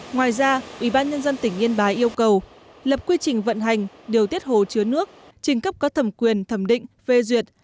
ngoài ra ubnd tỉnh yên bái yêu cầu lập quy trình vận hành điều tiết hồ chứa nước trình cấp có thẩm quyền thẩm định phê duyệt